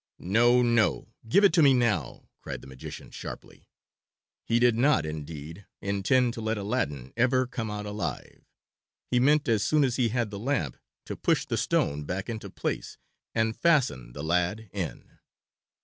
"No, no! Give it to me now," cried the magician sharply. He did not, indeed, intend to let Aladdin ever come out alive. He meant as soon as he had the lamp to push the stone back into place and fasten the lad in.